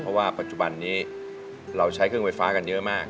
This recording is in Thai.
เพราะว่าปัจจุบันนี้เราใช้เครื่องไฟฟ้ากันเยอะมาก